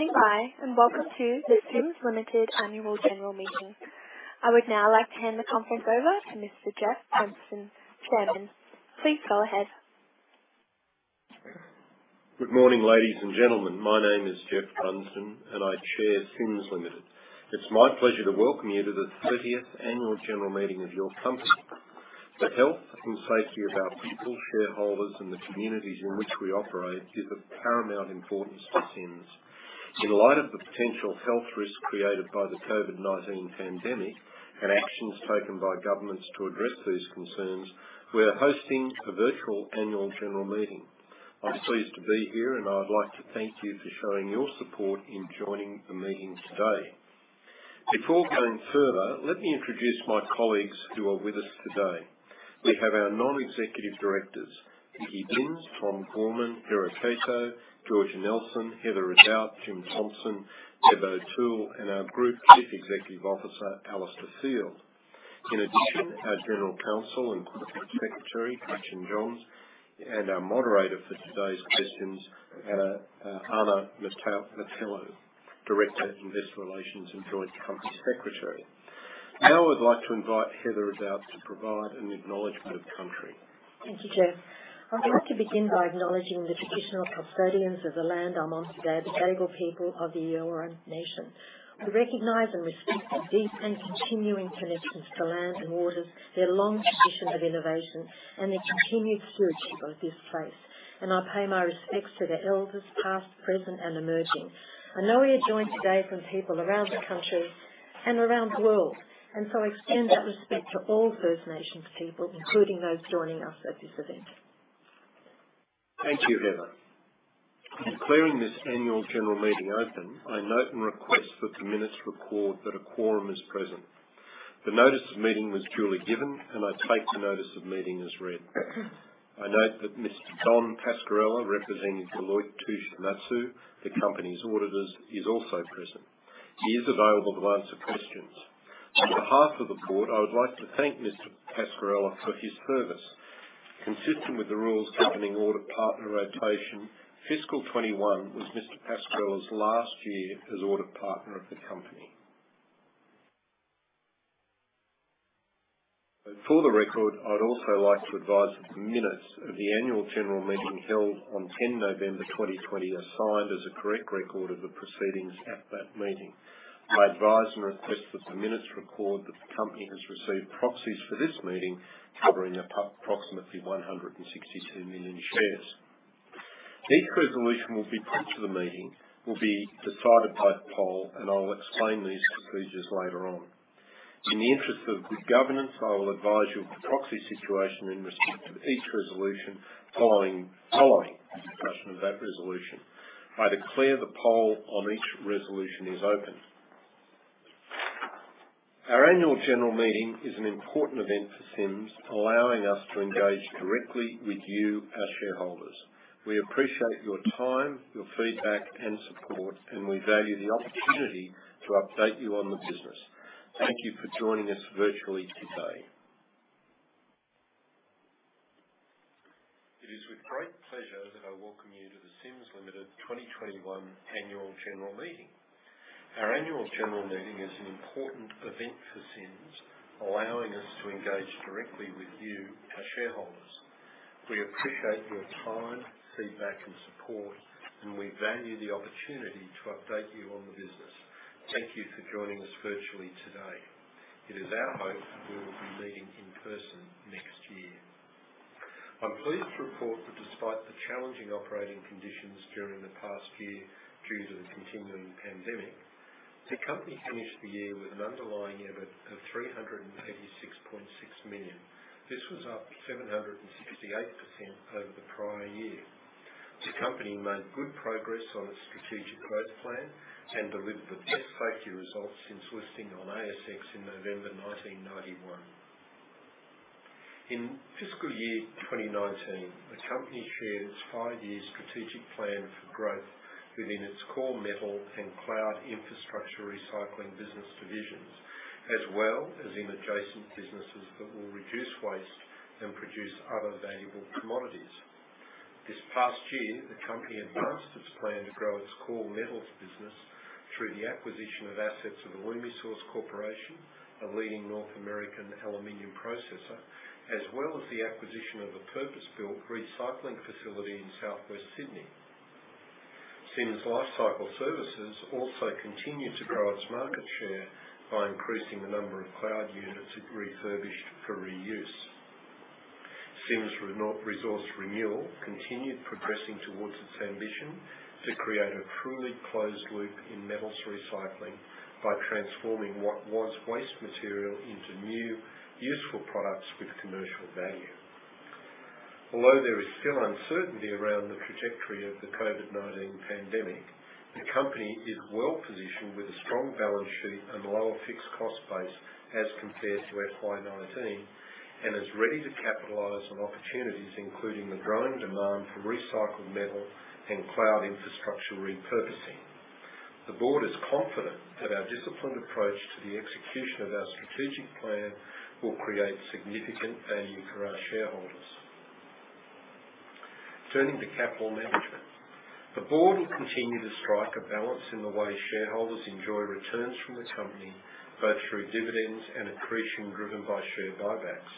Thank you for standing by, and welcome to the Sims Limited Annual General Meeting. I would now like to hand the conference over to Mr. Geoff Brunsdon, Chairman. Please go ahead. Good morning, ladies and gentlemen. My name is Geoff Brunsdon, and I chair Sims Limited. It's my pleasure to welcome you to the thirtieth Annual General Meeting of your company. The health and safety of our people, shareholders, and the communities in which we operate is of paramount importance to Sims. In light of the potential health risk created by the COVID-19 pandemic and actions taken by governments to address those concerns, we are hosting a virtual annual general meeting. I'm pleased to be here, and I'd like to thank you for showing your support in joining the meeting today. Before going further, let me introduce my colleagues who are with us today. We have our non-executive directors, Vicki Binns, Tom Gorman, Derek Petrou, Georgia Nelson, Heather Ridout, Jim Thompson, Deborah O'Toole, and our Group Chief Executive Officer, Alistair Field. In addition, our General Counsel and Company Secretary, Gretchen Johanns, and our moderator for today's sessions, Ana Metelo, Director in Investor Relations and Joint Company Secretary. Now I would like to invite Heather Ridout to provide an acknowledgment of country. Thank you, Geoff. I'd like to begin by acknowledging the traditional custodians of the land I'm on today, the Gadigal people of the Eora nation. We recognize and respect their deep and continuing connections to land and waters, their long tradition of innovation, and their continued stewardship of this place. I pay my respects to the elders, past, present, and emerging. I know we are joined today from people around the country and around the world, and so I extend that respect to all First Nations people, including those joining us at this event. Thank you, Heather. In declaring this Annual General Meeting open, I note and request that the minutes record that a quorum is present. The notice of meeting was duly given, and I take the notice of meeting as read. I note that Mr. Don Pascarella, representing Deloitte Touche Tohmatsu, the company's auditors, is also present. He is available to answer questions. On behalf of the board, I would like to thank Mr. Pascarella for his service. Consistent with the rules governing audit partner rotation, FY 2021 was Mr. Pascarella's last year as audit partner of the company. For the record, I'd also like to advise that the minutes of the Annual General Meeting held on 10 November 2020 are signed as a correct record of the proceedings at that meeting. I advise and request that the minutes record that the company has received proxies for this meeting covering approximately 162 million shares. Each resolution will be put to the meeting, will be decided by poll, and I'll explain these procedures later on. In the interest of good governance, I will advise you of the proxy situation in respect of each resolution following the discussion of that resolution. I declare the poll on each resolution is open. Our annual general meeting is an important event for Sims, allowing us to engage directly with you, our shareholders. We appreciate your time, your feedback and support, and we value the opportunity to update you on the business. Thank you for joining us virtually today. It is with great pleasure that I welcome you to the Sims Limited 2021 Annual General Meeting. Our annual general meeting is an important event for Sims, allowing us to engage directly with you, our shareholders. We appreciate your time, feedback and support, and we value the opportunity to update you on the business. Thank you for joining us virtually today. It is our hope that we will be meeting in person next year. I'm pleased to report that despite the challenging operating conditions during the past year due to the continuing pandemic, the company finished the year with an underlying EBIT of $386.6 million. This was up 768% over the prior year. The company made good progress on its strategic growth plan and delivered the best safety results since listing on ASX in November 1991. In fiscal year 2019, the company shared its five-year strategic plan for growth within its core metal and cloud infrastructure recycling business divisions, as well as in adjacent businesses that will reduce waste and produce other valuable commodities. This past year, the company advanced its plan to grow its core metals business through the acquisition of assets of Alumisource Corp., a leading North American aluminum processor, as well as the acquisition of a purpose-built recycling facility in Southwest Sydney. Sims Lifecycle Services also continued to grow its market share by increasing the number of cloud units it refurbished for reuse. Sims Resource Renewal continued progressing towards its ambition to create a truly closed loop in metals recycling by transforming what was waste material into new, useful products with commercial value. Although there is still uncertainty around the trajectory of the COVID-19 pandemic, the company is well positioned with a strong balance sheet and lower fixed cost base as compared to FY 2019 and is ready to capitalize on opportunities, including the growing demand for recycled metal and cloud infrastructure repurposing. The board is confident that our disciplined approach to the execution of our strategic plan will create significant value for our shareholders. Turning to capital management. The board will continue to strike a balance in the way shareholders enjoy returns from the company, both through dividends and accretion driven by share buybacks.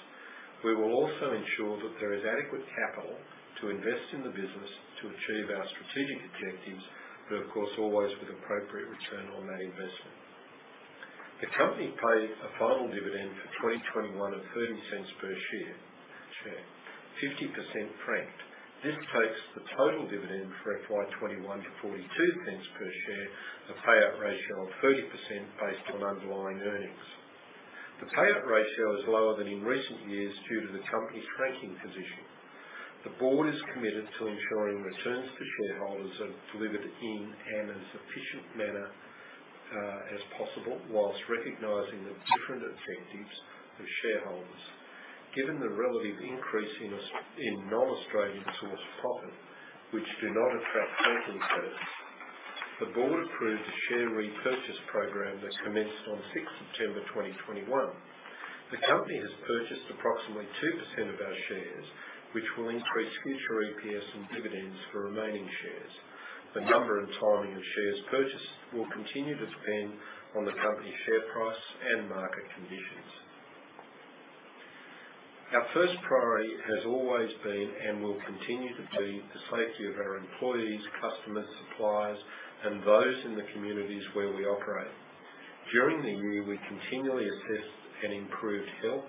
We will also ensure that there is adequate capital to invest in the business to achieve our strategic objectives, but of course, always with appropriate return on that investment. The company paid a final dividend for 2021 of 0.30 per share. 50% franked. This takes the total dividend for FY 2021 to 0.42 per share, a payout ratio of 30% based on underlying earnings. The payout ratio is lower than in recent years due to the company's franking position. The board is committed to ensuring returns to shareholders are delivered in a sufficient manner as possible, while recognizing the different objectives of shareholders. Given the relative increase in non-Australian source profit, which do not attract franking credits, the board approved a share repurchase program that commenced on 6 September 2021. The company has purchased approximately 2% of our shares, which will increase future EPS and dividends for remaining shares. The number and timing of shares purchased will continue to depend on the company share price and market conditions. Our first priority has always been, and will continue to be, the safety of our employees, customers, suppliers, and those in the communities where we operate. During the year, we continually assessed and improved health,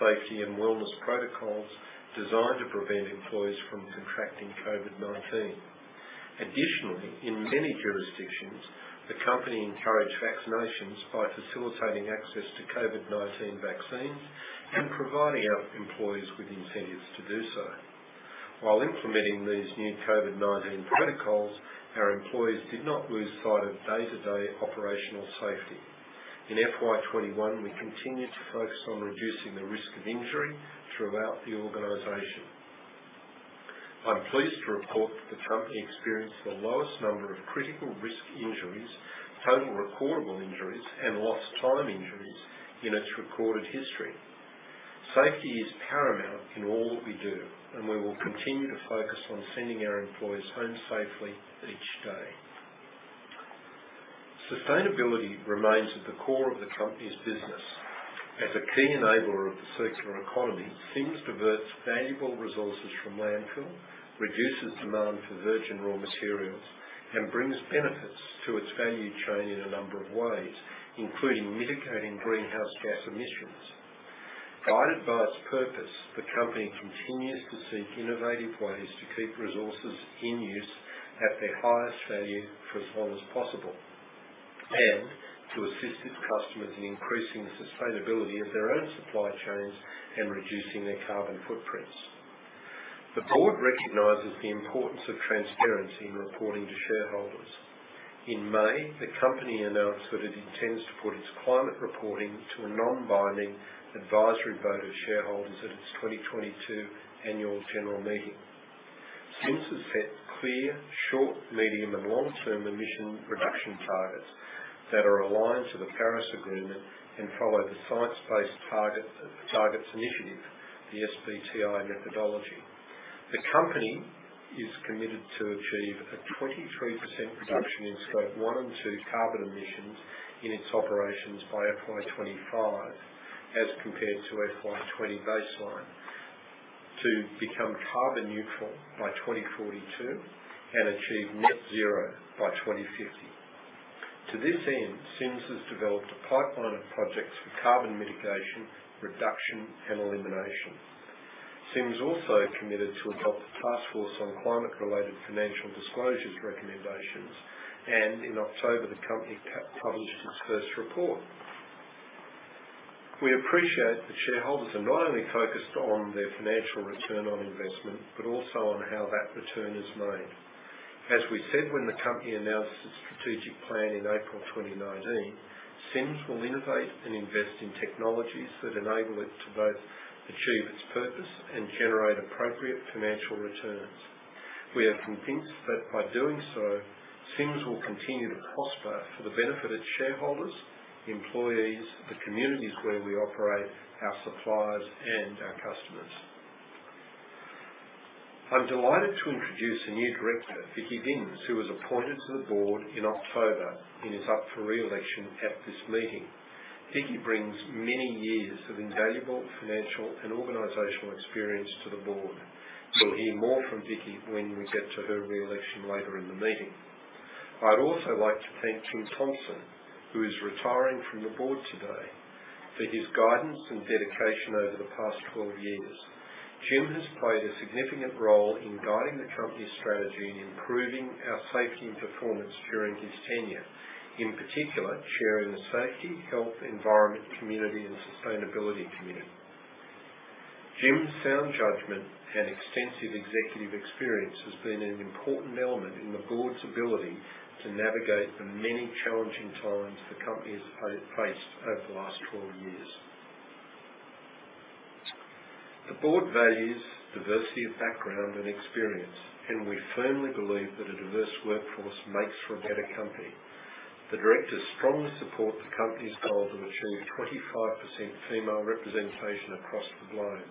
safety, and wellness protocols designed to prevent employees from contracting COVID-19. Additionally, in many jurisdictions, the company encouraged vaccinations by facilitating access to COVID-19 vaccines and providing our employees with incentives to do so. While implementing these new COVID-19 protocols, our employees did not lose sight of day-to-day operational safety. In FY 2021, we continued to focus on reducing the risk of injury throughout the organization. I'm pleased to report that the company experienced the lowest number of critical risk injuries, total recordable injuries, and lost time injuries in its recorded history. Safety is paramount in all that we do, and we will continue to focus on sending our employees home safely each day. Sustainability remains at the core of the company's business. As a key enabler of the circular economy, Sims diverts valuable resources from landfill, reduces demand for virgin raw materials, and brings benefits to its value chain in a number of ways, including mitigating greenhouse gas emissions. Guided by its purpose, the company continues to seek innovative ways to keep resources in use at their highest value for as long as possible, and to assist its customers in increasing the sustainability of their own supply chains and reducing their carbon footprints. The board recognizes the importance of transparency in reporting to shareholders. In May, the company announced that it intends to put its climate reporting to a non-binding advisory vote of shareholders at its 2022 annual general meeting. Sims has set clear short, medium, and long-term emission reduction targets that are aligned to the Paris Agreement and follow the Science Based Targets Initiative, the SBTi methodology. The company is committed to achieve a 23% reduction in Scope one and two carbon emissions in its operations by FY 2025 as compared to FY 2020 baseline, to become carbon neutral by 2042 and achieve net zero by 2050. To this end, Sims has developed a pipeline of projects for carbon mitigation, reduction, and elimination. Sims also committed to adopt the Task Force on Climate-related Financial Disclosures recommendations, and in October, the company has published its first report. We appreciate that shareholders are not only focused on their financial return on investment, but also on how that return is made. As we said when the company announced its strategic plan in April 2019, Sims will innovate and invest in technologies that enable it to both achieve its purpose and generate appropriate financial returns. We are convinced that by doing so, Sims will continue to prosper for the benefit of shareholders, employees, the communities where we operate, our suppliers, and our customers. I'm delighted to introduce a new director, Vicki Binns, who was appointed to the board in October and is up for re-election at this meeting. Vicki brings many years of invaluable financial and organizational experience to the board. You'll hear more from Vicki when we get to her re-election later in the meeting. I'd also like to thank Jim Thompson, who is retiring from the board today, for his guidance and dedication over the past 12 years. Jim has played a significant role in guiding the company's strategy and improving our safety and performance during his tenure, in particular chairing the Safety, Health, Environment, Community & Sustainability Committee. Jim's sound judgment and extensive executive experience has been an important element in the board's ability to navigate the many challenging times the company has faced over the last 12 years. The board values diversity of background and experience, and we firmly believe that a diverse workforce makes for a better company. The directors strongly support the company's goal to achieve 25% female representation across the globe.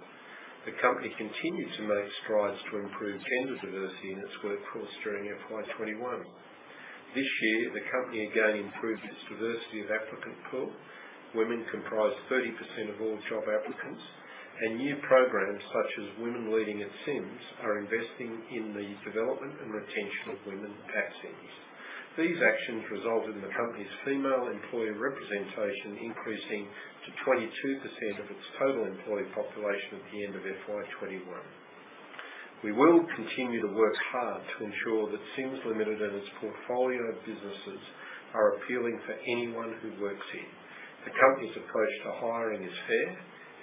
The company continues to make strides to improve gender diversity in its workforce during FY 2021. This year, the company again improved its diversity of applicant pool. Women comprised 30% of all job applicants, and new programs such as Women Leading at Sims are investing in the development and retention of women at Sims. These actions resulted in the company's female employee representation increasing to 22% of its total employee population at the end of FY 2021. We will continue to work hard to ensure that Sims Limited and its portfolio of businesses are appealing for anyone who works here. The company's approach to hiring is fair.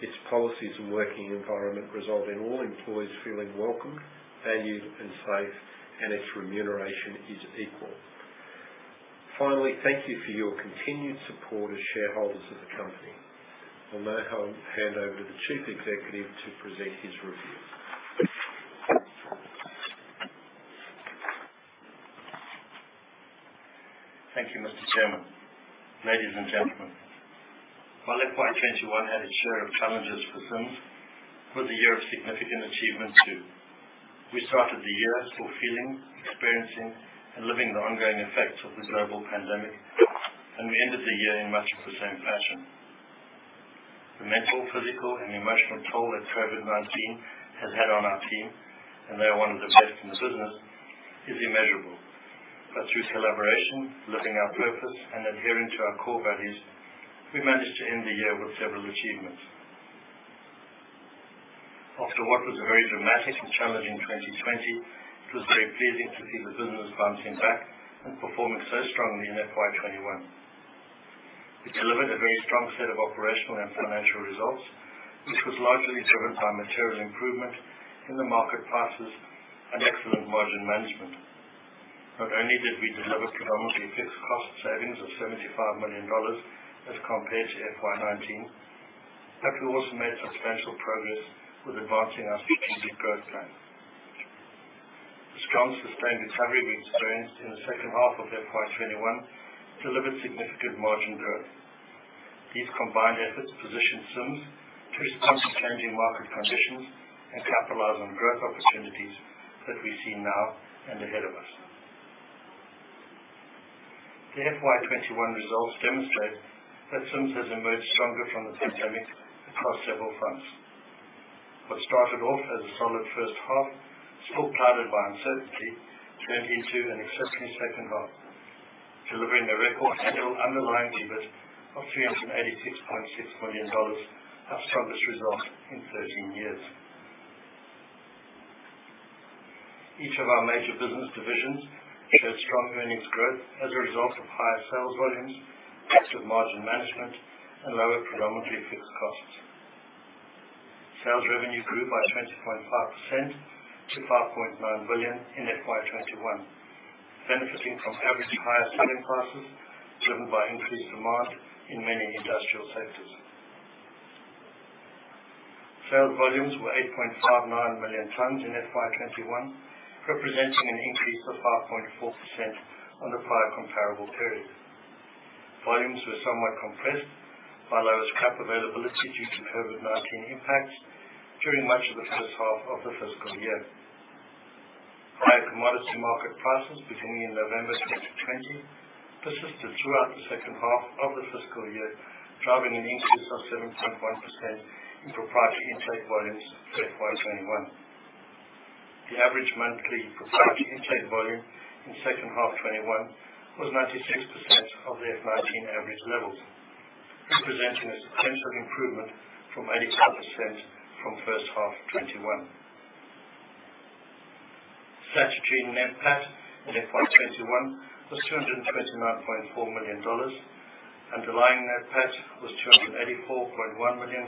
Its policies and working environment result in all employees feeling welcomed, valued, and safe, and its remuneration is equal. Finally, thank you for your continued support as shareholders of the company. I'll now hand over to the chief executive to present his review. Thank you, Mr. Chairman. Ladies and gentlemen, while FY 2021 had its share of challenges for Sims, it was a year of significant achievements, too. We started the year still feeling, experiencing, and living the ongoing effects of this global pandemic, and we ended the year in much of the same fashion. The mental, physical, and emotional toll that COVID-19 has had on our team, and they are one of the best in the business, is immeasurable. Through collaboration, living our purpose, and adhering to our core values, we managed to end the year with several achievements. After what was a very dramatic and challenging 2020, it was very pleasing to see the business bouncing back and performing so strongly in FY 2021. We delivered a very strong set of operational and financial results, which was largely driven by material improvement in the market classes and excellent margin management. Not only did we deliver predominantly fixed cost savings of $75 million as compared to FY 2019, but we also made substantial progress with advancing our strategic growth plan. The strong sustained recovery we experienced in the second half of FY 2021 delivered significant margin growth. These combined efforts position Sims to respond to changing market conditions and capitalize on growth opportunities that we see now and ahead of us. The FY 2021 results demonstrate that Sims has emerged stronger from the pandemic across several fronts. What started off as a solid first half, still clouded by uncertainty, turned into an exceptional second half, delivering a record underlying EBIT of $386.6 million, our strongest result in 13 years. Each of our major business divisions showed strong earnings growth as a result of higher sales volumes, cost and margin management, and lower predominantly fixed costs. Sales revenue grew by 20.5% to $5.9 billion in FY 2021, benefiting from higher average selling prices driven by increased demand in many industrial sectors. Sales volumes were 8.59 million tons in FY 2021, representing an increase of 5.4% on the prior comparable period. Volumes were somewhat compressed by lowest scrap availability due to COVID-19 impacts during much of the first half of the fiscal year. Higher commodity market prices beginning in November 2020 persisted throughout the second half of the fiscal year, driving an increase of 7.1% in proprietary intake volumes to FY 2021. The average monthly proprietary intake volume in second half 2021 was 96% of the FY 2019 average levels, representing a substantial improvement from 82% from first half of 2021. Statutory net PAT in FY 2021 was $229.4 million. Underlying net PAT was $284.1 million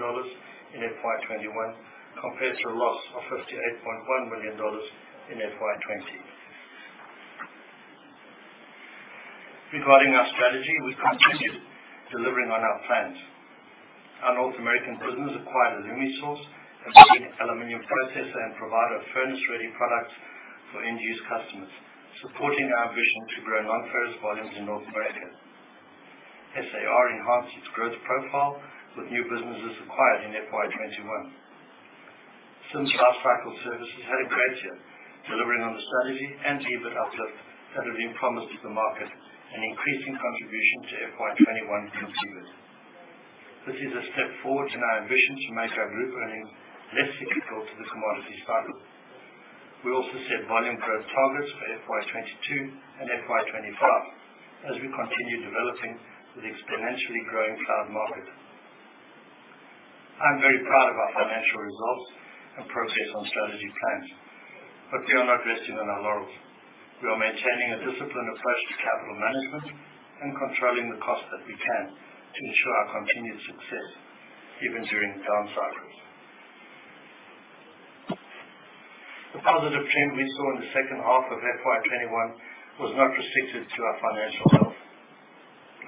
in FY 2021 compared to a loss of $58.1 million in FY 2020. Regarding our strategy, we continued delivering on our plans. Our North American business acquired Alumisource, a leading aluminum processor and provider of furnace-ready products for end-use customers, supporting our vision to grow non-ferrous volumes in North America. SA Recycling enhanced its growth profile with new businesses acquired in FY 2021. Sims Lifecycle Services had a great year delivering on the strategy and EBIT uplift that had been promised to the market, and increasing contribution to FY 2021 consensus. This is a step forward in our ambitions to make our group earnings less cyclical to the commodity cycle. We also set volume growth targets for FY 2022 and FY 2025 as we continue developing with the exponentially growing cloud market. I am very proud of our financial results and progress on strategy plans, but we are not resting on our laurels. We are maintaining a disciplined approach to capital management and controlling the cost that we can to ensure our continued success even during down cycles. The positive trend we saw in the second half of FY 2021 was not restricted to our financial health.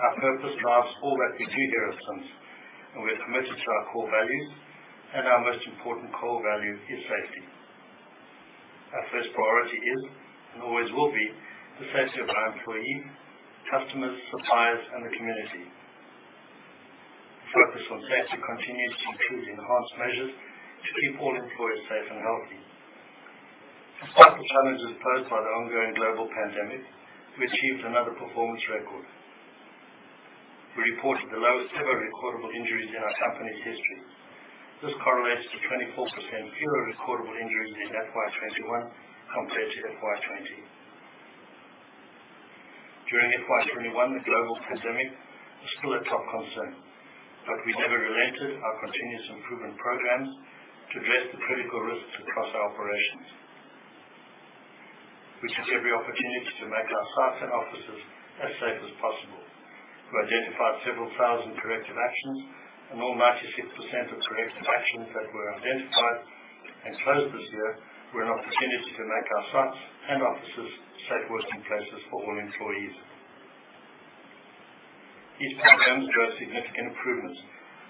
Our purpose drives all that we do here at Sims, and we are committed to our core values, and our most important core value is safety. Our first priority is, and always will be, the safety of our employees, customers, suppliers, and the community. Focus on safety continues to include enhanced measures to keep all employees safe and healthy. Despite the challenges posed by the ongoing global pandemic, we achieved another performance record. We reported the lowest ever recordable injuries in our company's history. This correlates to 24% fewer recordable injuries in FY 2021 compared to FY 2020. During FY 2021, the global pandemic was still a top concern, but we never relented our continuous improvement programs to address the critical risks across our operations. We took every opportunity to make our sites and offices as safe as possible. We identified several thousand corrective actions, and all 96% of corrective actions that were identified and closed this year were an opportunity to make our sites and offices safe working places for all employees. These programs drove significant improvements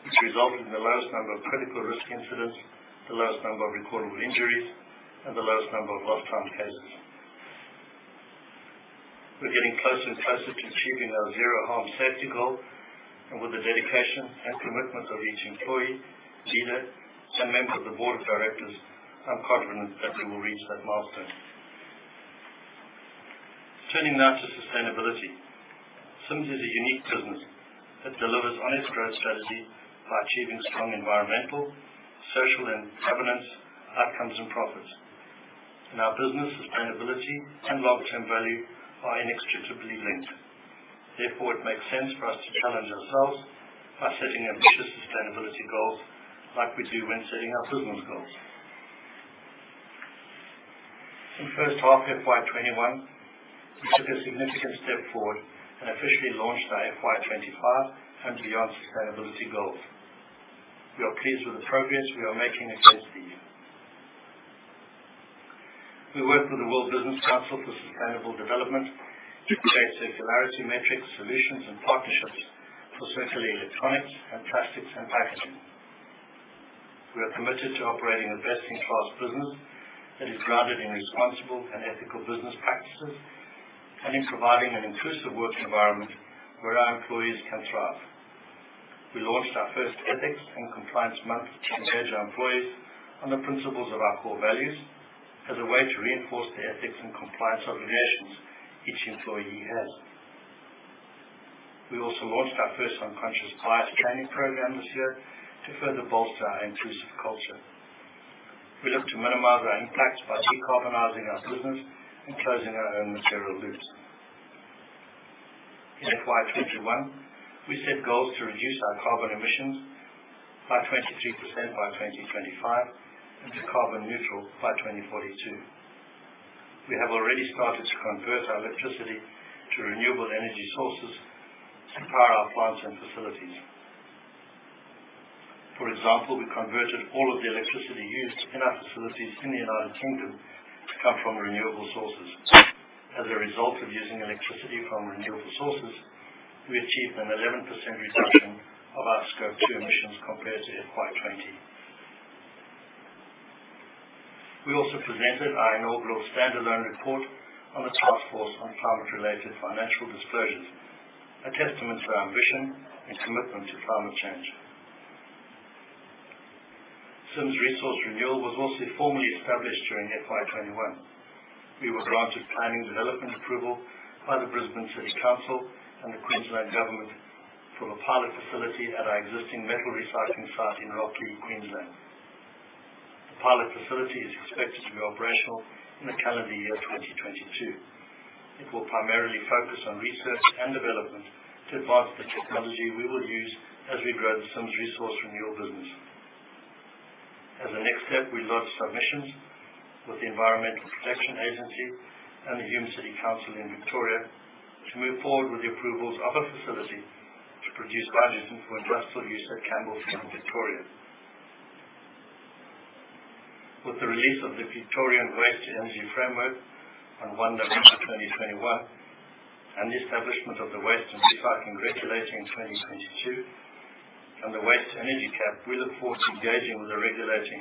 which resulted in the lowest number of critical risk incidents, the lowest number of recordable injuries, and the lowest number of lost time cases. We're getting closer and closer to achieving our zero harm safety goal, and with the dedication and commitment of each employee, leader, and member of the board of directors, I'm confident that we will reach that milestone. Turning now to sustainability. Sims is a unique business that delivers on its growth strategy by achieving strong environmental, social, and governance outcomes and profits. In our business, sustainability and long-term value are inextricably linked. Therefore, it makes sense for us to challenge ourselves by setting ambitious sustainability goals like we do when setting our business goals. In the first half of FY 2021, we took a significant step forward and officially launched our FY 2025 and beyond sustainability goals. We are pleased with the progress we are making against these. We work with the World Business Council for Sustainable Development to create circularity metrics, solutions, and partnerships for certainly electronics and plastics and packaging. We are committed to operating a best-in-class business that is grounded in responsible and ethical business practices, and in providing an inclusive working environment where our employees can thrive. We launched our first ethics and compliance month to engage our employees on the principles of our core values as a way to reinforce the ethics and compliance obligations each employee has. We also launched our first unconscious bias training program this year to further bolster our inclusive culture. We look to minimize our impact by decarbonizing our business and closing our own material loops. In FY 2021, we set goals to reduce our carbon emissions by 22% by 2025 and to carbon neutral by 2042. We have already started to convert our electricity to renewable energy sources to power our plants and facilities. For example, we converted all of the electricity used in our facilities in the United Kingdom to come from renewable sources. As a result of using electricity from renewable sources, we achieved an 11% reduction of our Scope 2 emissions compared to FY 2020. We also presented our inaugural standalone report on the Task Force on Climate-related Financial Disclosures, a testament to our ambition and commitment to climate change. Sims Resource Renewal was also formally established during FY 2021. We were granted planning development approval by the Brisbane City Council and the Queensland Government for a pilot facility at our existing metal recycling site in Rocklea, Queensland. The pilot facility is expected to be operational in the calendar year 2022. It will primarily focus on research and development to advance the technology we will use as we grow the Sims Resource Renewal business. As a next step, we launched submissions with the Environment Protection Authority and the Hume City Council in Victoria to move forward with the approvals of a facility to produce bio-gas for industrial use at Campbellfield, Victoria. With the release of the Victorian Waste to Energy Framework on 1 November 2021 and the establishment of the Waste and Recycling Regulator in 2022, under Waste to Energy Cap, we look forward to engaging with the regulator in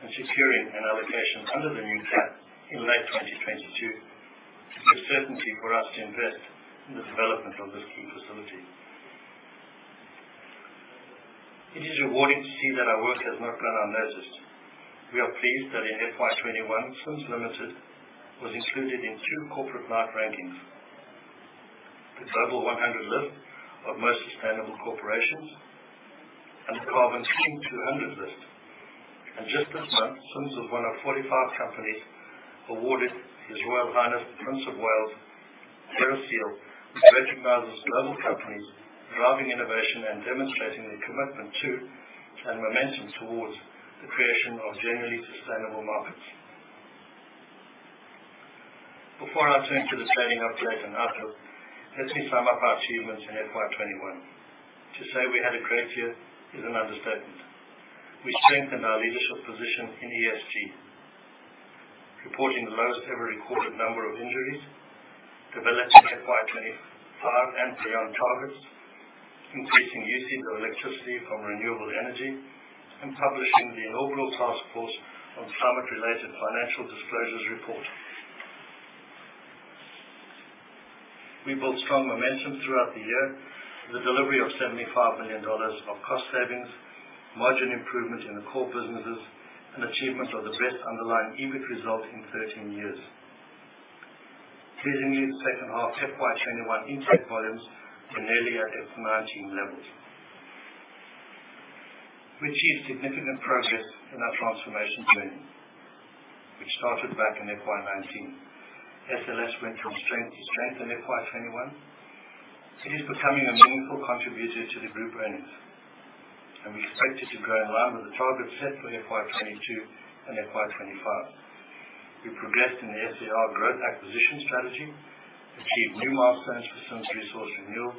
2022 and securing an allocation under the new cap in late 2022. It's a certainty for us to invest in the development of this key facility. It is rewarding to see that our work has not gone unnoticed. We are pleased that in FY 2021, Sims Limited was included in two Corporate Knights rankings. The Global 100 Most Sustainable Corporations in the World and the Carbon Clean 200 list. Just this month, Sims was one of 45 companies awarded His Royal Highness the Prince of Wales' Earthshot which recognizes global companies driving innovation and demonstrating their commitment to and momentum towards the creation of genuinely sustainable markets. Before I turn to the trading update and outlook, let me sum up our achievements in FY 2021. To say we had a great year is an understatement. We strengthened our leadership position in ESG, reporting the lowest ever recorded number of injuries, developing FY 2025 and beyond targets, increasing usage of electricity from renewable energy and publishing the inaugural Task Force on Climate-related Financial Disclosures report. We built strong momentum throughout the year with the delivery of $75 million of cost savings, margin improvement in the core businesses, and achievement of the best underlying EBIT result in 13 years. Pleasingly, the second half FY 2021 intake volumes were nearly at FY 2019 levels. We achieved significant progress in our transformation journey, which started back in FY 2019. SLS went from strength to strength in FY 2021. It is becoming a meaningful contributor to the group earnings, and we expect it to grow in line with the targets set for FY 2022 and FY 2025. We progressed in the SLS growth acquisition strategy, achieved new milestones for Sims Resource Renewal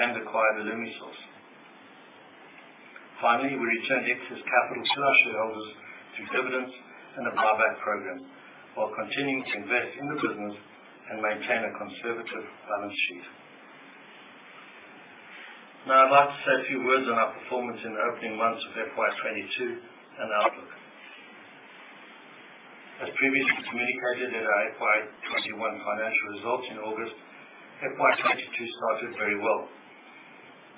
and acquired Alumisource. Finally, we returned excess capital to our shareholders through dividends and a buyback program while continuing to invest in the business and maintain a conservative balance sheet. Now, I'd like to say a few words on our performance in the opening months of FY 2022 and outlook. As previously communicated in our FY 2021 financial results in August, FY 2022 started very well.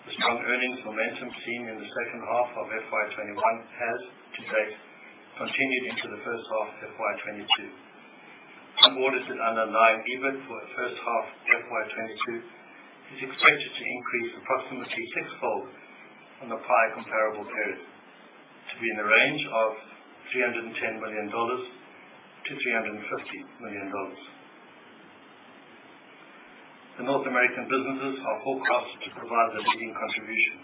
The strong earnings momentum seen in the second half of FY 2021 has to date continued into the first half of FY 2022. Our outlook for underlying EBIT for the first half of FY 2022 is expected to increase approximately sixfold on the prior comparable period to be in the range of $310 million-$350 million. The North American businesses are forecast to provide the leading contribution.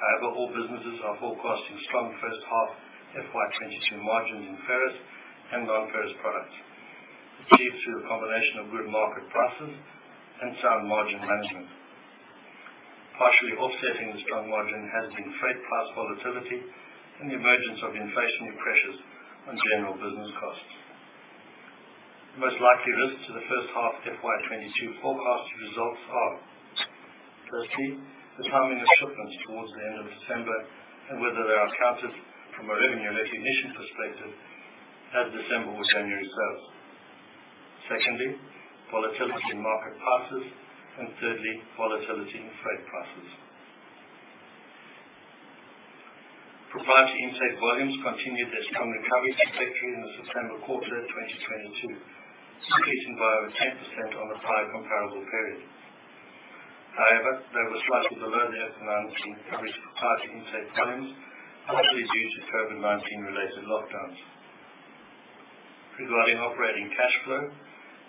However, all businesses are forecasting strong first half FY 2022 margins in ferrous and non-ferrous products, achieved through a combination of good market prices and sound margin management. Partially offsetting the strong margin has been freight price volatility and the emergence of inflationary pressures on general business costs. Most likely risks to the first half FY 2022 forecast results are firstly, the timing of shipments towards the end of December and whether they are counted from a revenue recognition perspective as December or January sales. Secondly, volatility in market prices. Thirdly, volatility in freight prices. Provided intake volumes continue their strong recovery trajectory in the September quarter 2022, increasing by over 10% on the prior comparable period. However, they were slightly below the FY 2019 average for prior intake volumes, partly due to COVID-19 related lockdowns. Regarding operating cash flow,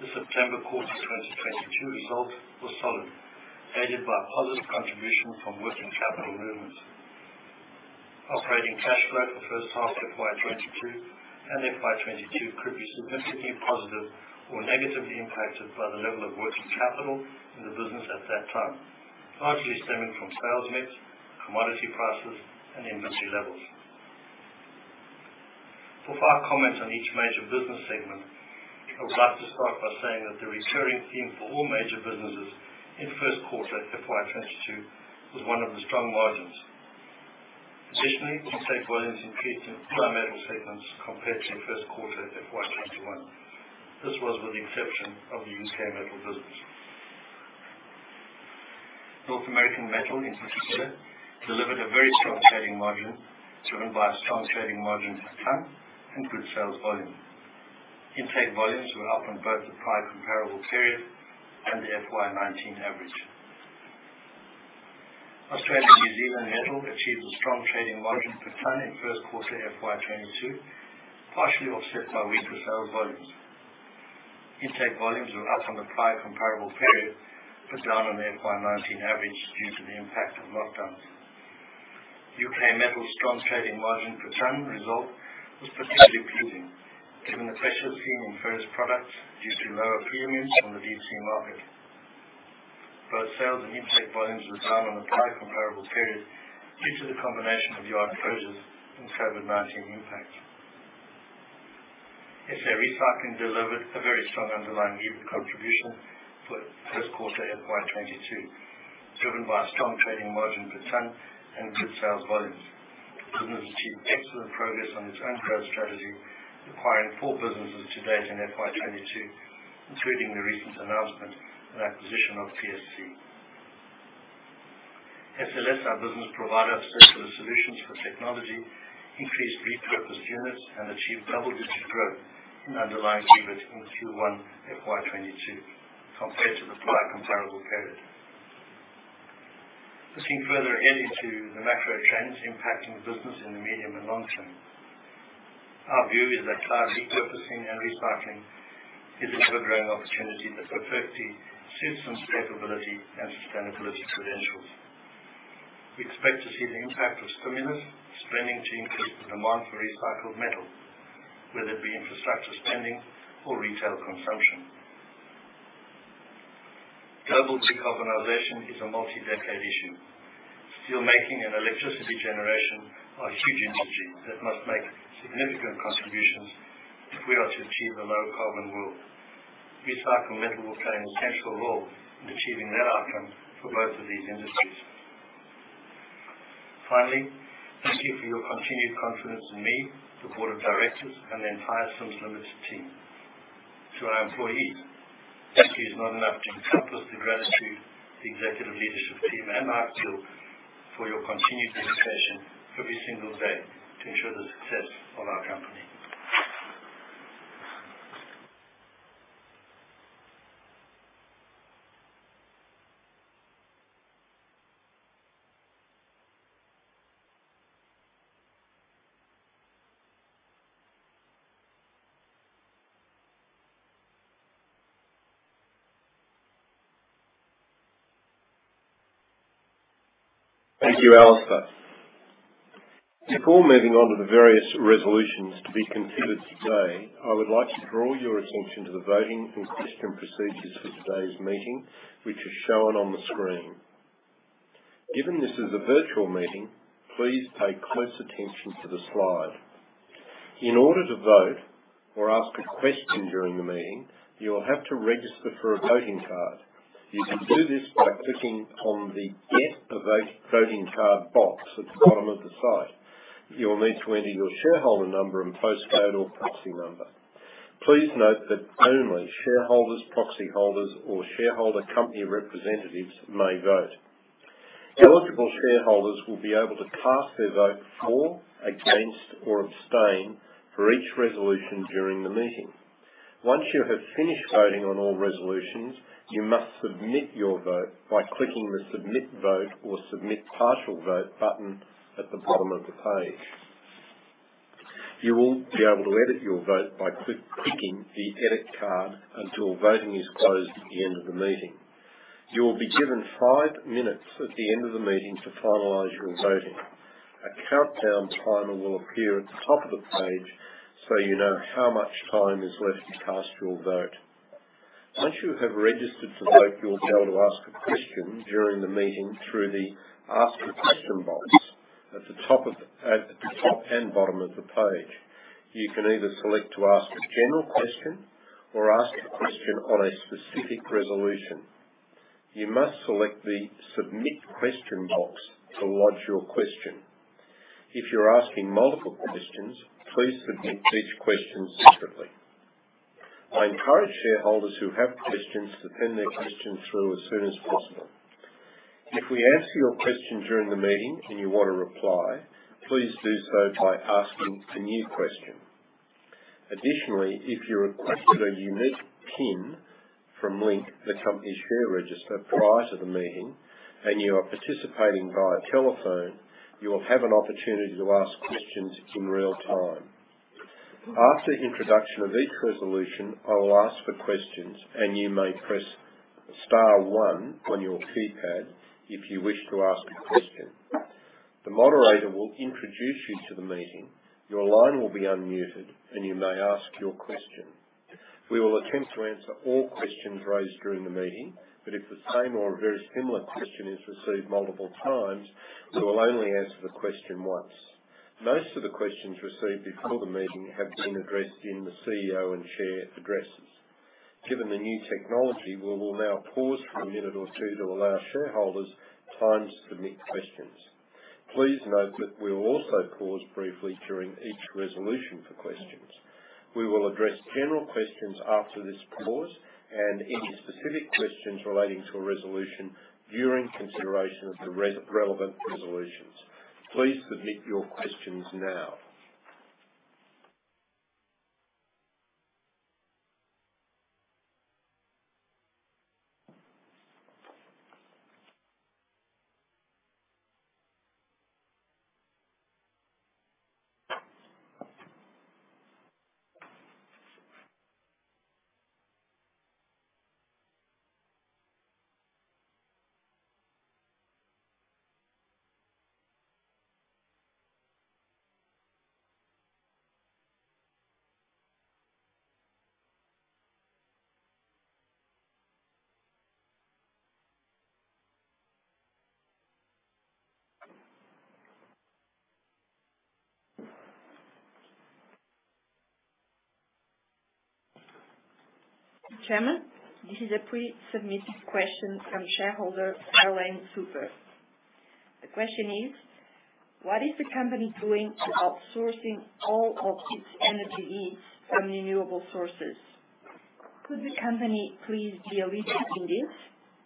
the September quarter 2022 result was solid, aided by positive contribution from working capital movements. Operating cash flow for first half FY 2022 and FY 2022 could be significantly positive or negatively impacted by the level of working capital in the business at that time, largely stemming from sales mix, commodity prices, and inventory levels. Before I comment on each major business segment, I would like to start by saying that the recurring theme for all major businesses in first quarter FY 2022 was one of the strong margins. Additionally, intake volumes increased in all metal segments compared to first quarter FY 2021. This was with the exception of the UK Metal business. North American Metal in particular delivered a very strong trading margin, driven by a strong trading margin per ton and good sales volume. Intake volumes were up on both the prior comparable period and the FY 2019 average. Australia and New Zealand Metal achieved a strong trading margin per ton in first quarter FY 2022, partially offset by weaker sales volumes. Intake volumes were up on the prior comparable period, but down on the FY 2019 average due to the impact of lockdowns. UK Metal's strong trading margin per ton result was particularly pleasing given the pressure seen on ferrous products due to lower premiums on the deep sea market. Both sales and intake volumes were down on the prior comparable period due to the combination of yard closures and COVID-19 impact. SA Recycling delivered a very strong underlying EBIT contribution for first quarter FY 2022, driven by a strong trading margin per ton and good sales volumes. The business achieved excellent progress on its own growth strategy, acquiring four businesses to date in FY 2022, including the recent announcement and acquisition of TSC. SLS, our business provider of circular solutions for technology, increased repurposed units and achieved double-digit growth in underlying EBIT in Q1 FY 2022 compared to the prior comparable period. Looking further ahead into the macro trends impacting the business in the medium and long term, our view is that cloud repurposing and recycling is an ever-growing opportunity that perfectly suits sustainable and sustainability credentials. We expect to see the impact of stimulus spending to increase the demand for recycled metal, whether it be infrastructure spending or retail consumption. Global decarbonization is a multi-decade journey. Steel making and electricity generation are huge industries that must make significant contributions if we are to achieve a low carbon world. Recycling metal will play an essential role in achieving that outcome for both of these industries. Finally, thank you for your continued confidence in me, the board of directors, and the entire Sims Limited team. To our employees, thank you is not enough to encompass the gratitude the executive leadership team and I feel for your continued dedication every single day to ensure the success of our company. Thank you, Alistair. Before moving on to the various resolutions to be considered today, I would like to draw your attention to the voting and question procedures for today's meeting, which is shown on the screen. Given this is a virtual meeting, please pay close attention to the slide. In order to vote or ask a question during the meeting, you will have to register for a voting card. You can do this by clicking on the Get a Vote, Voting Card box at the bottom of the slide. You will need to enter your shareholder number and postcode or proxy number. Please note that only shareholders, proxy holders, or shareholder company representatives may vote. Eligible shareholders will be able to cast their vote for, against, or abstain for each resolution during the meeting. Once you have finished voting on all resolutions, you must submit your vote by clicking the Submit Vote or Submit Partial Vote button at the bottom of the page. You will be able to edit your vote by clicking the Edit card until voting is closed at the end of the meeting. You will be given five minutes at the end of the meeting to finalize your voting. A countdown timer will appear at the top of the page so you know how much time is left to cast your vote. Once you have registered to vote, you'll be able to ask a question during the meeting through the Ask a Question box at the top and bottom of the page. You can either select to ask a general question or ask a question on a specific resolution. You must select the Submit Question box to lodge your question. If you're asking multiple questions, please submit each question separately. I encourage shareholders who have questions to send their questions through as soon as possible. If we ask you a question during the meeting and you want to reply, please do so by asking a new question. Additionally, if you requested a unique PIN from Link, the company's share register, prior to the meeting and you are participating via telephone, you will have an opportunity to ask questions in real time. After introduction of each resolution, I will ask for questions, and you may press star one on your keypad if you wish to ask a question. The moderator will introduce you to the meeting. Your line will be unmuted, and you may ask your question. We will attempt to answer all questions raised during the meeting, but if the same or a very similar question is received multiple times, we will only answer the question once. Most of the questions received before the meeting have been addressed in the CEO and chair addresses. Given the new technology, we will now pause for a minute or two to allow shareholders time to submit questions. Please note that we will also pause briefly during each resolution for questions. We will address general questions after this pause and any specific questions relating to a resolution during consideration of the relevant resolutions. Please submit your questions now. Chairman, this is a pre-submitted question from shareholder Arlene Super. The question is: What is the company doing to source all of its energy needs from renewable sources? Could the company please be a leader in this?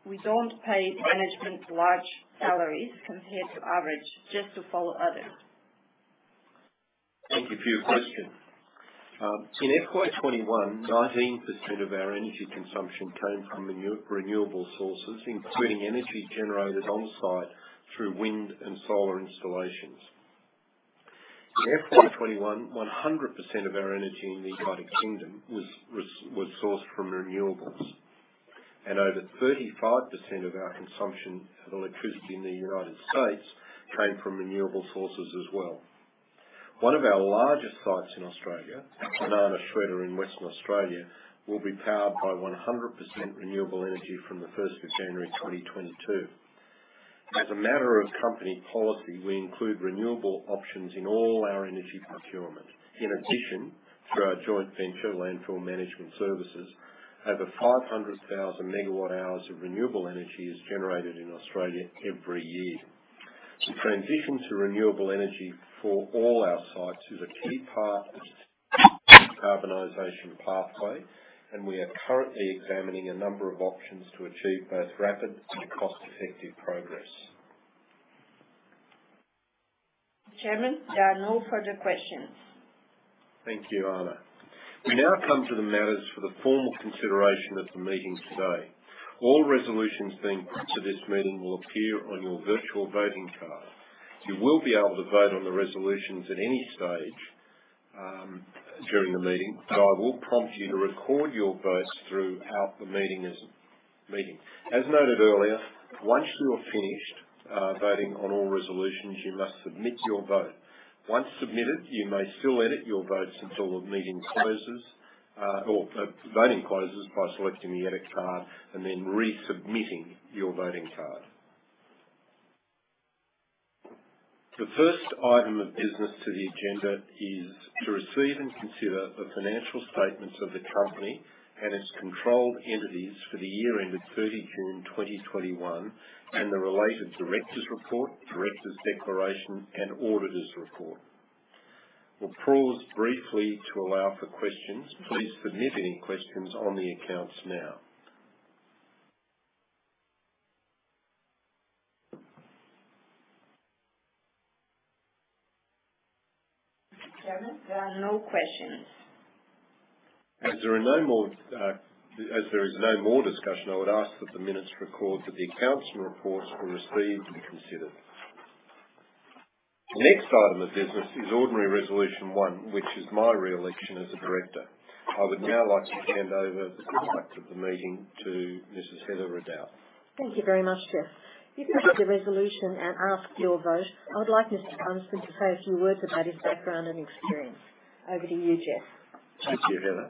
We don't pay management large salaries compared to average just to follow others. Thank you for your question. In FY 2021, 19% of our energy consumption came from renewable sources, including energy generated on-site through wind and solar installations. In FY 2021, 100% of our energy in the U.K. was sourced from renewables. Over 35% of our consumption of electricity in the U.S. came from renewable sources as well. One of our largest sites in Australia, Kwinana Shredder in Western Australia, will be powered by 100% renewable energy from January 1, 2022. As a matter of company policy, we include renewable options in all our energy procurement. In addition, through our joint venture, LMS Energy, over 500,000 MWh of renewable energy is generated in Australia every year. The transition to renewable energy for all our sites is a key part of decarbonization pathway, and we are currently examining a number of options to achieve both rapid and cost-effective progress. Chairman, there are no further questions. Thank you, Ana. We now come to the matters for the formal consideration of the meeting today. All resolutions being put to this meeting will appear on your virtual voting card. You will be able to vote on the resolutions at any stage during the meeting, but I will prompt you to record your votes throughout the meeting. As noted earlier, once you are finished voting on all resolutions, you must submit your vote. Once submitted, you may still edit your votes until the meeting closes or voting closes by selecting the edit card and then resubmitting your voting card. The first item of business to the agenda is to receive and consider the financial statements of the company and its controlled entities for the year ended 30 June 2021 and the related directors' report, directors' declaration, and auditors' report. We'll pause briefly to allow for questions. Please submit any questions on the accounts now. Chairman, there are no questions. As there is no more discussion, I would ask that the minutes record that the accounts and reports were received and considered. The next item of business is ordinary resolution one, which is my re-election as a director. I would now like to hand over the conduct of the meeting to Mrs. Heather Ridout. Thank you very much, Geoff. Before the resolution and ask your vote, I would like Mr. Brunsdon to say a few words about his background and experience. Over to you, Geoff. Thank you, Heather.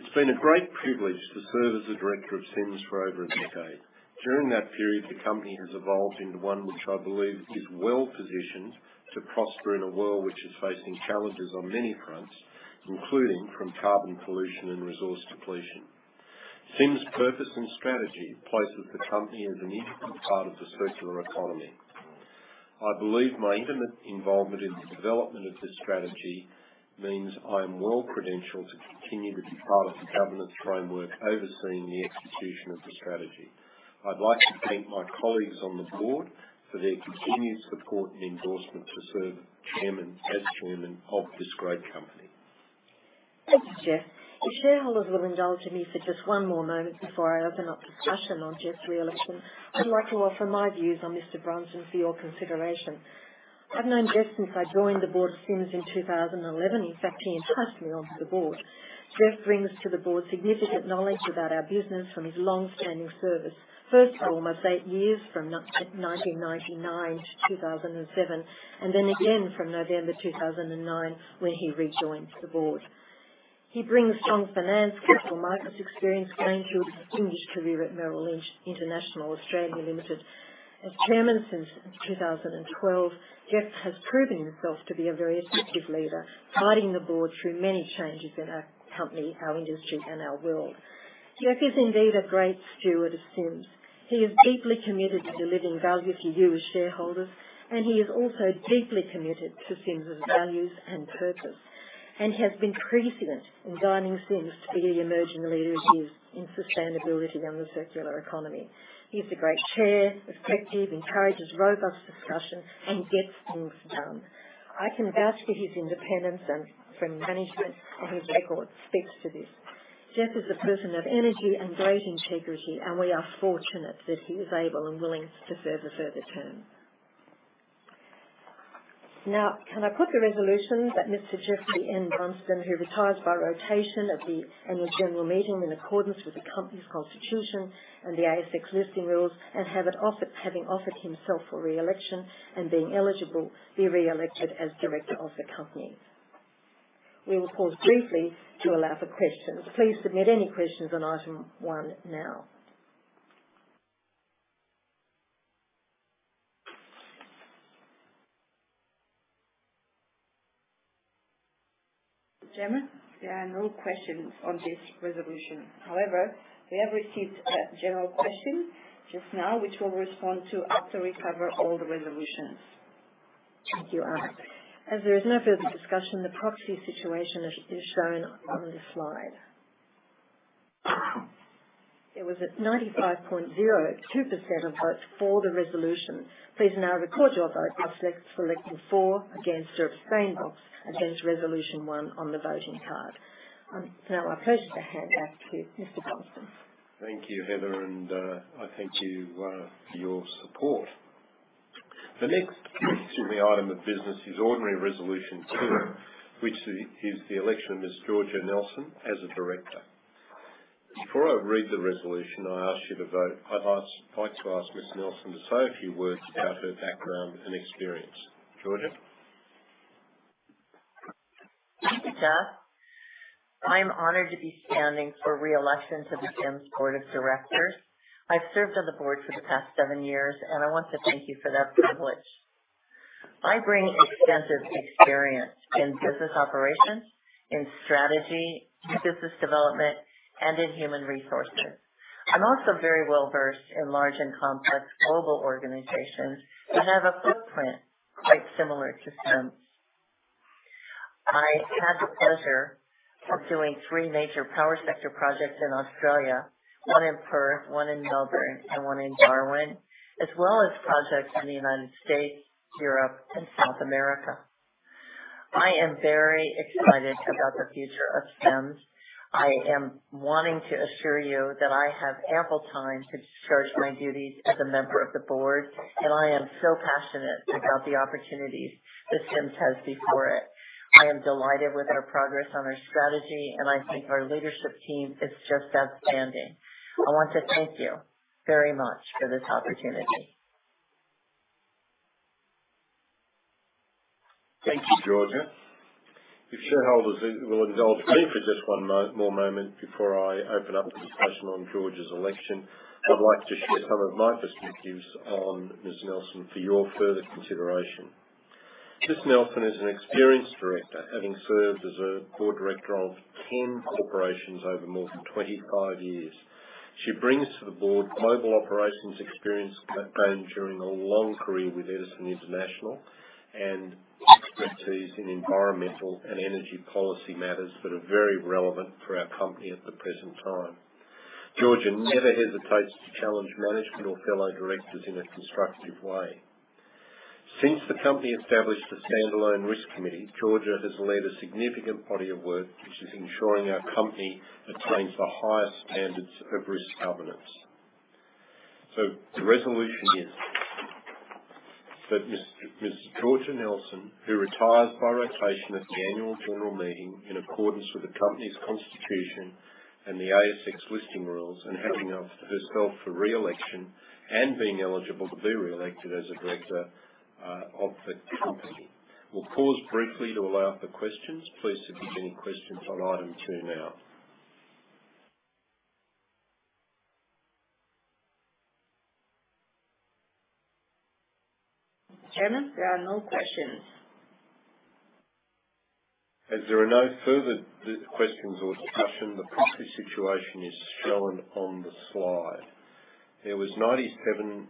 It's been a great privilege to serve as a director of Sims for over a decade. During that period, the company has evolved into one which I believe is well-positioned to prosper in a world which is facing challenges on many fronts, including from carbon pollution and resource depletion. Sims' purpose and strategy places the company as an integral part of the circular economy. I believe my intimate involvement in the development of this strategy means I am well-credentialed to continue to be part of the governance framework overseeing the execution of the strategy. I'd like to thank my colleagues on the board for their continued support and endorsement to serve as Chairman, as Chairman of this great company. Thank you, Geoff. If shareholders will indulge me for just one more moment before I open up discussion on Geoff's re-election, I'd like to offer my views on Mr. Brunsdon for your consideration. I've known Geoff since I joined the board of Sims in 2011. In fact, he invited me onto the board. Geoff brings to the board significant knowledge about our business from his long-standing service. First for almost eight years from 1999 to 2007, and then again from November 2009, when he rejoined the board. He brings strong finance, capital markets experience gained through his distinguished career at Merrill Lynch International (Australia) Limited. As Chairman since 2012, Geoff has proven himself to be a very effective leader, guiding the board through many changes in our company, our industry, and our world. Geoff is indeed a great steward of Sims. He is deeply committed to delivering value to you as shareholders, and he is also deeply committed to Sims' values and purpose, and has been preeminent in guiding Sims to be the emerging leader it is in sustainability and the circular economy. He's a great Chair, effective, encourages robust discussion, and gets things done. I can vouch for his independence from management, and his record speaks to this. Geoff is a person of energy and great integrity, and we are fortunate that he is able and willing to serve a further term. Now, can I put the resolution that Mr. Geoffrey N. Brunsdon, who retires by rotation at the annual general meeting in accordance with the company's constitution and the ASX listing rules, and having offered himself for re-election and being eligible, be re-elected as director of the company. We will pause briefly to allow for questions. Please submit any questions on item one now. Chairman, there are no questions on this resolution. However, we have received a general question just now, which we'll respond to after we cover all the resolutions. Thank you, Ana. As there is no further discussion, the proxy situation is shown on the slide. There was a 95.02% of votes for the resolution. Please now record your vote by selecting For, Against, or Abstain votes against resolution one on the voting card. Now it's my pleasure to hand back to Mr. Brunsdon. Thank you, Heather, and I thank you for your support. The next item of business is ordinary resolution two, which is the election of Ms. Georgia Nelson as a director. Before I read the resolution and I ask you to vote, I'd like to ask Ms. Nelson to say a few words about her background and experience. Georgia? Thank you, Geoff. I'm honored to be standing for re-election to the Sims Board of Directors. I've served on the board for the past seven years, and I want to thank you for that privilege. I bring extensive experience in business operations, in strategy, business development, and in human resources. I'm also very well-versed in large and complex global organizations and have a footprint quite similar to Sims. I had the pleasure of doing three major power sector projects in Australia, one in Perth, one in Melbourne, and one in Darwin, as well as projects in the United States, Europe, and South America. I am very excited about the future of Sims. I am wanting to assure you that I have ample time to discharge my duties as a member of the board, and I am so passionate about the opportunities that Sims has before it. I am delighted with our progress on our strategy, and I think our leadership team is just outstanding. I want to thank you very much for this opportunity. Thank you, Georgia. If shareholders will indulge me for just one moment before I open up the discussion on Georgia's election, I'd like to share some of my perspectives on Ms. Nelson for your further consideration. Ms. Nelson is an experienced director, having served as a board director of 10 corporations over more than 25 years. She brings to the board global operations experience gained during a long career with Edison International and expertise in environmental and energy policy matters that are very relevant for our company at the present time. Georgia never hesitates to challenge management or fellow directors in a constructive way. Since the company established a standalone risk committee, Georgia has led a significant body of work which is ensuring our company attains the highest standards of risk governance. The resolution is that Ms. Georgia Nelson, who retires by rotation at the annual general meeting in accordance with the company's constitution and the ASX listing rules, and having offered herself for re-election and being eligible to be re-elected as a director, of the company. We'll pause briefly to allow for questions. Please submit any questions on item two now. Chairman, there are no questions. As there are no further questions or discussion, the proxy situation is shown on the slide. There was 97.68%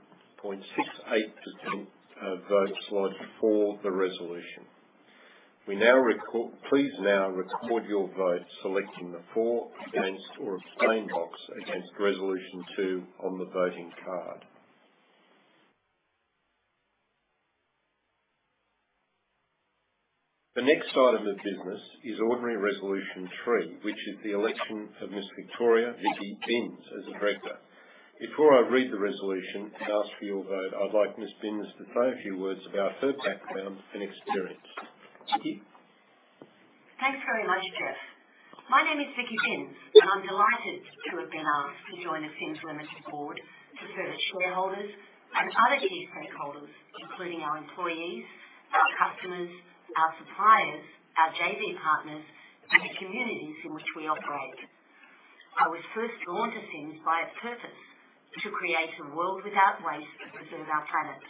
of votes logged for the resolution. Please now record your vote selecting the for, against, or abstain box against resolution two on the voting card. The next item of business is ordinary resolution three, which is the election of Ms. Victoria "Vicki" Binns as a director. Before I read the resolution and ask for your vote, I'd like Ms. Binns to say a few words about her background and experience. Vicki? Thanks very much, Geoff. My name is Vicky Binns, and I'm delighted to have been asked to join the Sims Limited board to serve its shareholders and other key stakeholders, including our employees, our customers, our suppliers, our JV partners, and the communities in which we operate. I was first drawn to Sims by its purpose to create a world without waste to preserve our planet,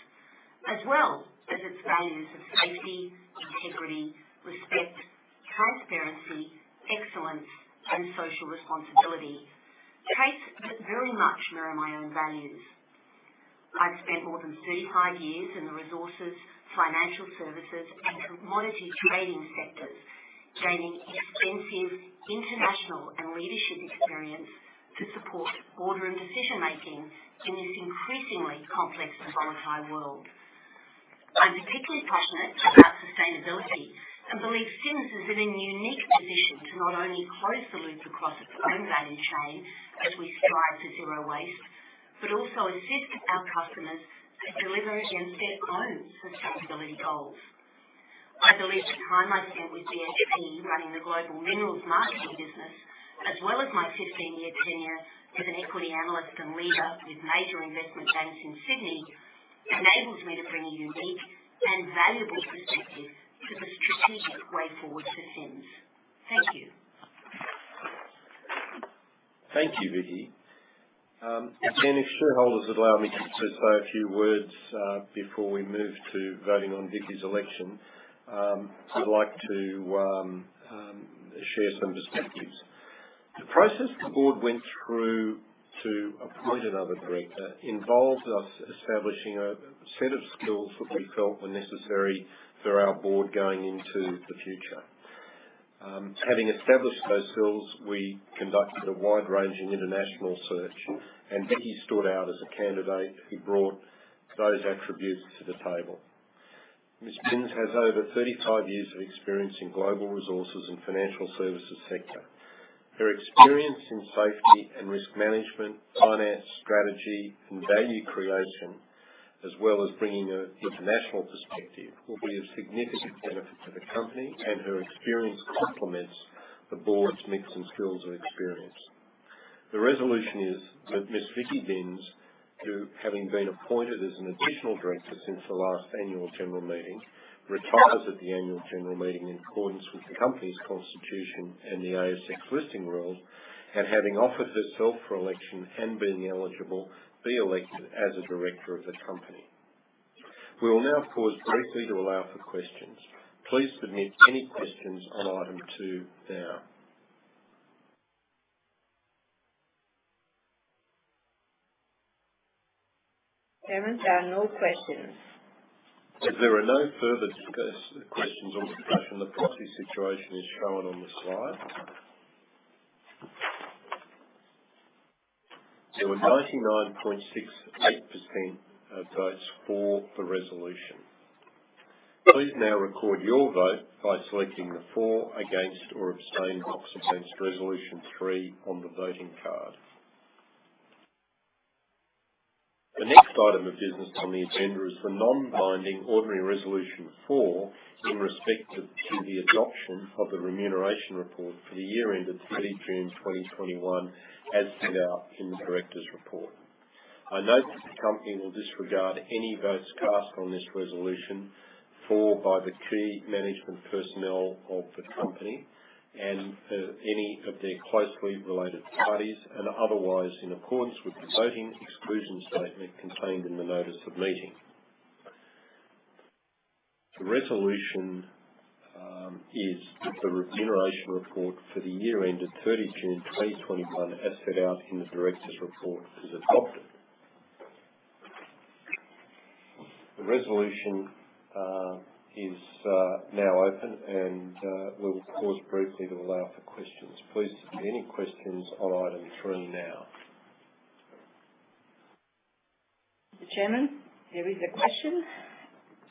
as well as its values of safety, integrity, respect, transparency, excellence, and social responsibility. Traits that very much mirror my own values. I've spent more than 35 years in the resources, financial services, and commodity trading sectors, gaining extensive international and leadership experience to support board and decision making in this increasingly complex and quantified world. I'm particularly passionate about sustainability and believe Sims is in a unique position to not only close the loop across its own value chain as we strive to zero waste, but also assist our customers in delivering against their own sustainability goals. I believe the time I spent with BHP running the global minerals marketing business, as well as my 15-year tenure as an equity analyst and leader with major investment banks in Sydney, enables me to bring a unique and valuable perspective to the strategic way forward for Sims. Thank you. Thank you, Vicki. Again, if shareholders allow me to say a few words before we move to voting on Vicki's election, I'd like to share some perspectives. The process the board went through to appoint another director involved us establishing a set of skills that we felt were necessary for our board going into the future. Having established those skills, we conducted a wide-ranging international search, and Vicki stood out as a candidate who brought those attributes to the table. Ms. Binns has over 35 years of experience in global resources and financial services sector. Her experience in safety and risk management, finance, strategy, and value creation as well as bringing an international perspective, will be of significant benefit to the company, and her experience complements the board's mix and skills and experience. The resolution is that Ms. Vicky Binns, who having been appointed as an additional director since the last annual general meeting, retires at the annual general meeting in accordance with the company's constitution and the ASX listing rules, and having offered herself for election and being eligible, be elected as a director of the company. We will now pause briefly to allow for questions. Please submit any questions on item two now. Chairman, there are no questions. If there are no further questions or discussion, the proxy situation is shown on the slide. There were 99.68% of votes for the resolution. Please now record your vote by selecting the for, against, or abstain box against resolution three on the voting card. The next item of business on the agenda is the non-binding ordinary resolution four in respect to the adoption of the remuneration report for the year ended 30 June 2021, as set out in the directors' report. I note that the company will disregard any votes cast on this resolution by the key management personnel of the company and any of their closely related parties and otherwise in accordance with the voting exclusion statement contained in the notice of meeting. The resolution is that the remuneration report for the year ended 30 June 2021, as set out in the directors' report, is adopted. The resolution is now open and we'll pause briefly to allow for questions. Please submit any questions on item three now. The Chairman, there is a question.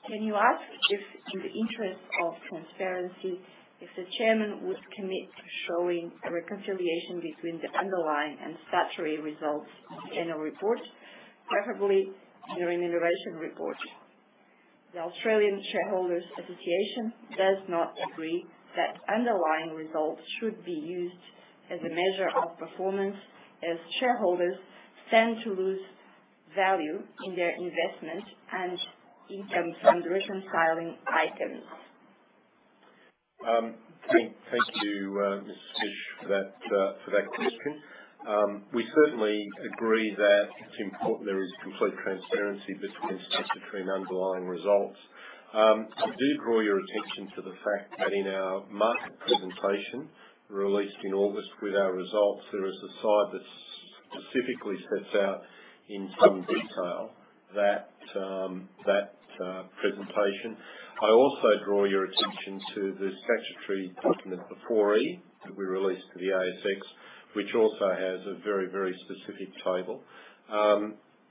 Can you ask if, in the interest of transparency, the Chairman would commit to showing a reconciliation between the underlying and statutory results in a report, preferably the remuneration report? The Australian Shareholders Association does not agree that underlying results should be used as a measure of performance, as shareholders stand to lose value in their investment and income from reconciling items. Thank you, Ms. Fisch, for that question. We certainly agree that it's important there is complete transparency between statutory and underlying results. I do draw your attention to the fact that in our market presentation released in August with our results, there is a slide that specifically sets out in some detail that presentation. I also draw your attention to the statutory document, the 4E, that we released to the ASX, which also has a very specific table.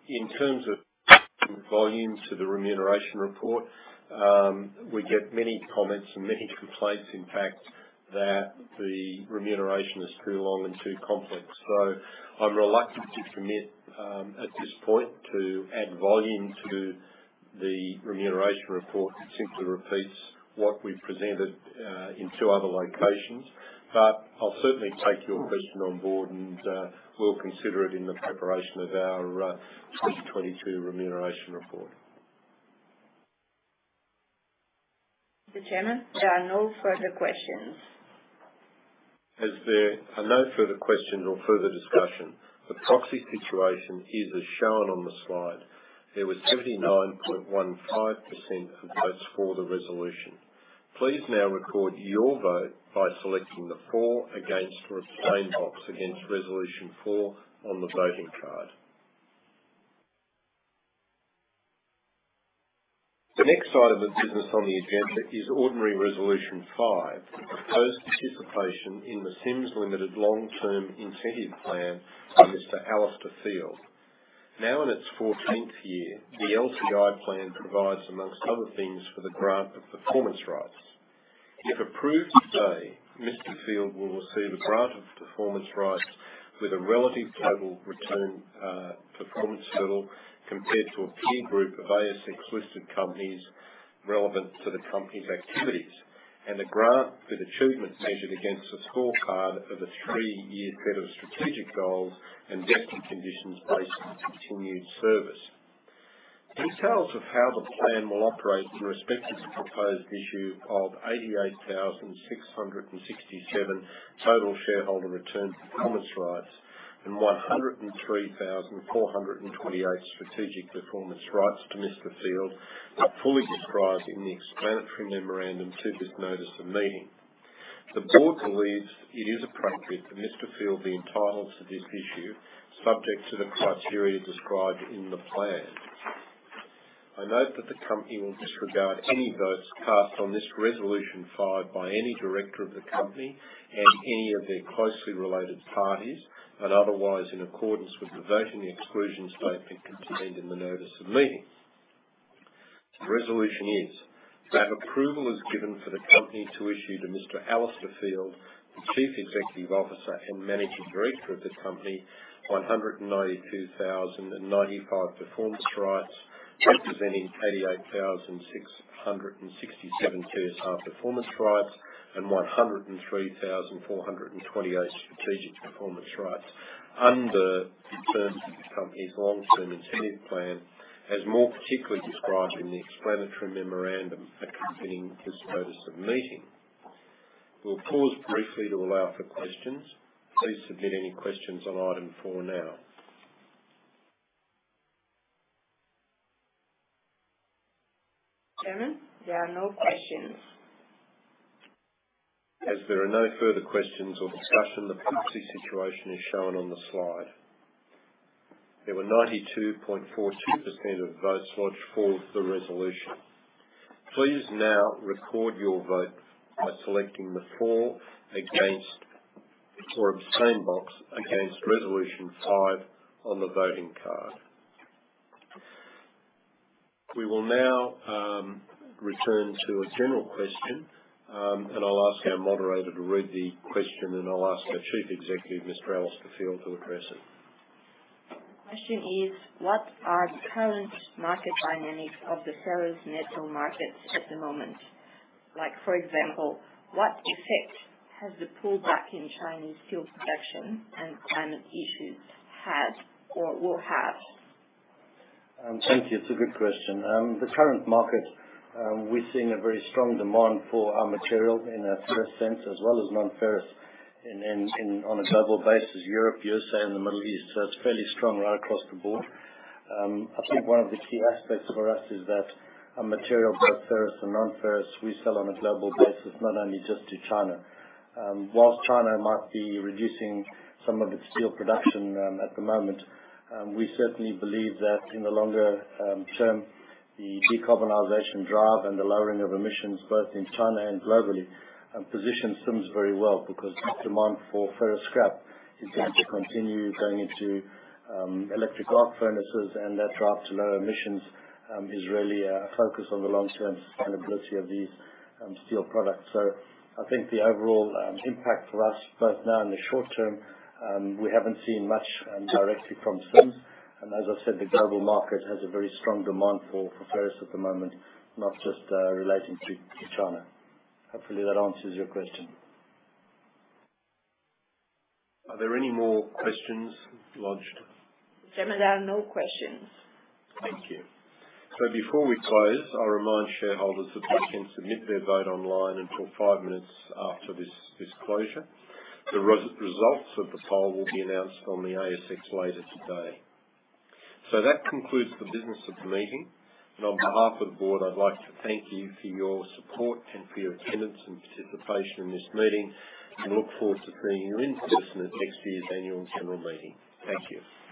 In terms of volume to the remuneration report, we get many comments and many complaints, in fact, that the remuneration is too long and too complex. I'm reluctant to commit at this point to add volume to the remuneration report that simply repeats what we've presented in two other locations. I'll certainly take your question on board, and we'll consider it in the preparation of our 2022 remuneration report. Mr. Chairman, there are no further questions. As there are no further questions or further discussion, the proxy situation is as shown on the slide. There was 79.15% of votes for the resolution. Please now record your vote by selecting the for, against, or abstain box against resolution four on the voting card. The next item of business on the agenda is ordinary resolution five, proposed participation in the Sims Limited Long-Term Incentive Plan for Mr. Alistair Field. Now in its fourteenth year, the LTI plan provides, among other things, for the grant of performance rights. If approved today, Mr. Field will receive a grant of performance rights with a relative total return performance level compared to a peer group of ASX-listed companies relevant to the company's activities, and a grant with achievement measured against a scorecard of a three-year set of strategic goals and vesting conditions based on continued service. Details of how the plan will operate in respect to the proposed issue of 88,667 total shareholder return performance rights and 103,428 strategic performance rights to Mr. Field are fully described in the explanatory memorandum to this notice of meeting. The board believes it is appropriate for Mr. Field to be entitled to this issue, subject to the criteria described in the plan. I note that the company will disregard any votes cast on this Resolution five by any director of the company and any of their closely related parties, and otherwise in accordance with the voting exclusion statement contained in the notice of meeting. The resolution is that approval is given for the company to issue to Mr. Field. Alistair Field, the Chief Executive Officer and Managing Director of the company, 192,095 performance rights, representing 88,667 Sims performance rights and 103,428 strategic performance rights under the terms of the company's Long-Term Incentive Plan, as more particularly described in the explanatory memorandum accompanying this notice of meeting. We'll pause briefly to allow for questions. Please submit any questions on item four now. Chairman, there are no questions. As there are no further questions or discussion, the voting situation is shown on the slide. There were 92.42% of votes lodged for the resolution. Please now record your vote by selecting the for, against, or abstain box against resolution five on the voting card. We will now return to a general question. I'll ask our moderator to read the question, and I'll ask our Chief Executive, Mr. Alistair Field, to address it. The question is: What are the current market dynamics of the ferrous metal markets at the moment? Like for example, what effect has the pullback in Chinese steel production and climate issues had or will have? Thank you. It's a good question. The current market, we're seeing a very strong demand for our material in a ferrous sense as well as non-ferrous in on a global basis, Europe, U.S., and the Middle East. It's fairly strong right across the board. I think one of the key aspects for us is that our material, both ferrous and non-ferrous, we sell on a global basis, not only just to China. While China might be reducing some of its steel production at the moment, we certainly believe that in the longer term, the decarbonization drive and the lowering of emissions both in China and globally positions Sims very well because the demand for ferrous scrap is going to continue going into electric arc furnaces and that drive to lower emissions is really a focus on the long-term sustainability of these steel products. I think the overall impact for us both now in the short term, we haven't seen much directly from Sims. As I said, the global market has a very strong demand for ferrous at the moment, not just relating to China. Hopefully, that answers your question. Are there any more questions lodged? Chairman, there are no questions. Thank you. Before we close, I'll remind shareholders that they can submit their vote online until five minutes after this closure. The results of the poll will be announced on the ASX later today. That concludes the business of the meeting. On behalf of the board, I'd like to thank you for your support and for your attendance and participation in this meeting and look forward to seeing you in person at next year's annual and general meeting. Thank you.